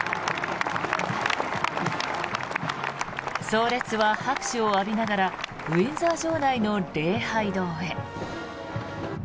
葬列は拍手を浴びながらウィンザー城内の礼拝堂へ。